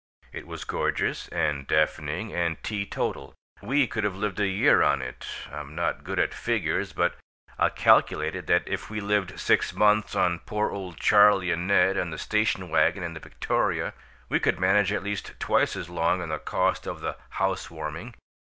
It was gorgeous and deafening and tee total. We could have lived a year on it. I'm not good at figures, but I calculated that if we lived six months on poor old Charlie and Ned and the station wagon and the Victoria, we could manage at least twice as long on the cost of the 'house warming.'